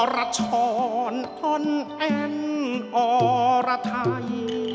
อ่อระชรอ่อนแอนอ่อระไทย